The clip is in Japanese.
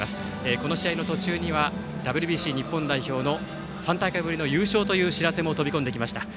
この試合の途中にはＷＢＣ日本代表の３大会ぶりの優勝という知らせも飛び込んできました。